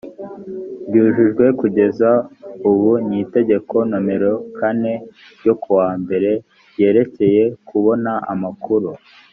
ryujujwe kugeza ubu n itegeko nomero kane ryo ku wa mbere ryerekeye kubona amakuru